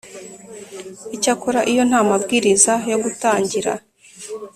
Icyakora iyo nta mabwiriza yo gutangira